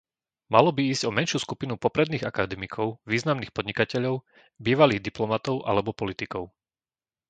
Malo by ísť o menšiu skupinu popredných akademikov, významných podnikateľov, bývalých diplomatov alebo politikov.